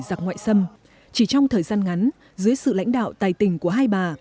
giặc ngoại xâm chỉ trong thời gian ngắn dưới sự lãnh đạo tài tình của hai bà